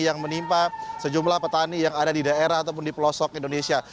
yang menimpa sejumlah petani yang ada di daerah ataupun di pelosok indonesia